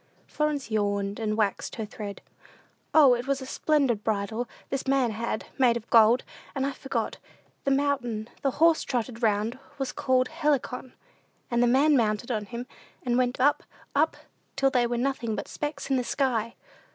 Florence yawned, and waxed her thread. "O, it was a splendid bridle, this man had, made of gold; and I forgot the mountain the horse trotted round on was called Helicon. And the man mounted him, and went up, up, till they were nothing but specks in the sky."